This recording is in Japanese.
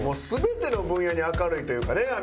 全ての分野に明るいというかね